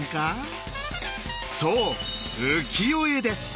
そう「浮世絵」です。